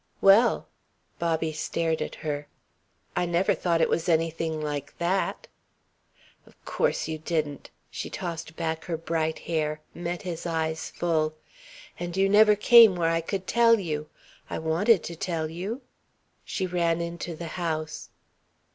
"Well!" Bobby stared at her. "I never thought it was anything like that." "Of course you didn't." She tossed back her bright hair, met his eyes full. "And you never came where I could tell you. I wanted to tell you." She ran into the house.